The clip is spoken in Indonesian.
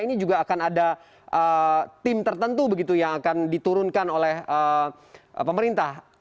ini juga akan ada tim tertentu begitu yang akan diturunkan oleh pemerintah